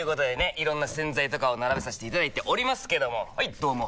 いろんな洗剤とかを並べさせていただいておりますけどもはいどうも！